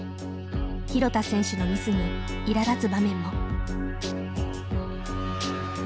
廣田選手のミスにいらだつ場面も。